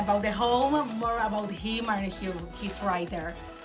lebih banyak untuk dia dan penulisnya